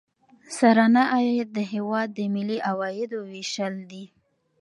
سرانه عاید د هیواد د ملي عوایدو ویشل دي.